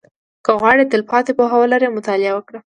• که غواړې تلپاتې پوهه ولرې، مطالعه وکړه.